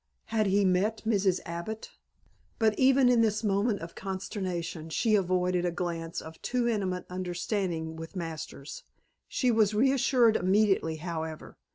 Had he met Mrs. Abbott? But even in this moment of consternation she avoided a glance of too intimate understanding with Masters. She was reassured immediately, however.